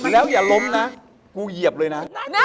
แล้วอย่าล้มนะกูเหยียบเลยนะ